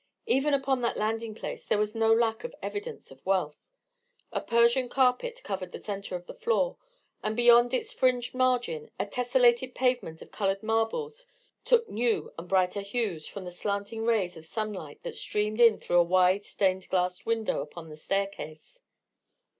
Even upon that landing place there was no lack of evidence of wealth. A Persian carpet covered the centre of the floor, and beyond its fringed margin a tessellated pavement of coloured marbles took new and brighter hues from the slanting rays of sunlight that streamed in through a wide stained glass window upon the staircase.